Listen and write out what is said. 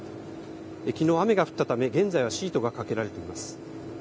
きのう、雨が降ったため、現在はシートがかけられています。